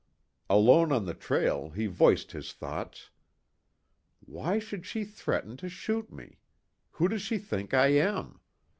Alone on the trail he voiced his thoughts: "Why should she threaten to shoot me? Who does she think I am?